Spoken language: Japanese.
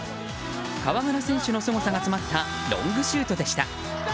河村選手のすごさが詰まったロングシュートでした。